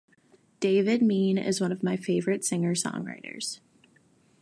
David Mead is one of my favorite singer-songwriters.